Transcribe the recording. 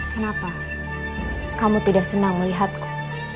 kenapa kamu tidak senang melihatku